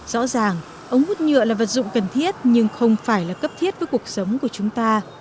rõ ràng ống hút nhựa là vật dụng cần thiết nhưng không phải là cấp thiết với cuộc sống của chúng ta